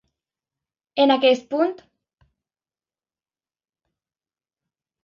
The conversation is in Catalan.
En aquest punt.